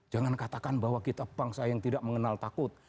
jangan katakan bahwa kita bangsa yang tidak mengenal takut